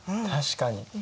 確かに。